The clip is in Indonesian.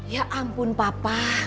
ya ampun papa